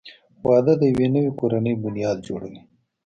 • واده د یوې نوې کورنۍ بنیاد جوړوي.